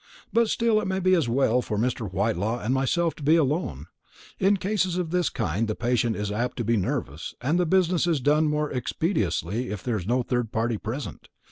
But still it may be as well for Mr. Whitelaw and myself to be alone. In cases of this kind the patient is apt to be nervous, and the business is done more expeditiously if there is no third party present.